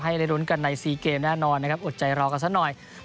ให้ได้รุ้นกันใน๔เกมแน่นอนนะครับอดใจรอกันสักหน่อย